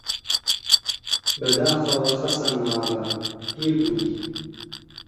بەداخەوە خەسەناغا پیر بووی!